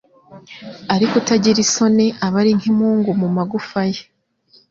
ariko utagira isoni aba ari nk’imungu mu magufa ye